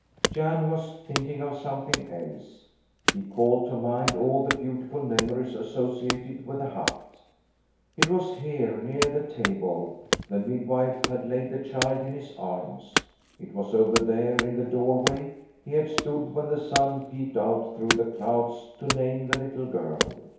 Jan was thinking of something else. He called to mind all the beautiful memories associated with the hut. It was here, near the table, the midwife had laid the child in his arms. It was over there, in the doorway, he had stood when the sun peeped out through the clouds to name the little girl.